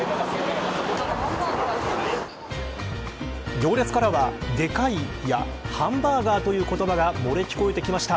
行列からは、でかいやハンバーガーという言葉が漏れ聞こえてきました。